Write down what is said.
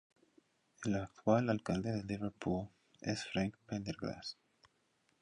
El actual alcalde de Liverpool, es Frank Prendergast.